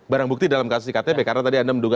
barang bukti dalam kasus iktp karena tadi anda menduga